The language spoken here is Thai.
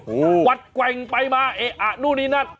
วัดแกว่งไปมาเอ๊ะอ่ะนู่นนี่นั่น